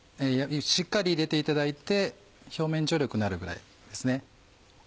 しっかり入れていただいて表面張力になるぐらいですね。